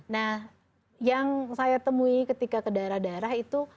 nah yang saya temui ketika ke daerah daerah itu